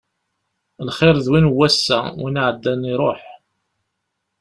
Lxiṛ d win n wass-a, win iɛeddan, iṛuḥ.